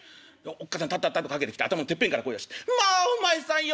おっ母さんたったったと駆けてきて頭のてっぺんから声出して『まあお前さんよく来たね。